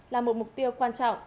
là một mục tiêu quan trọng